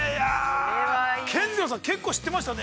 ◆健二郎さん、結構知ってましたね。